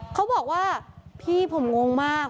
เขาบอกว่าพี่ผมงงมาก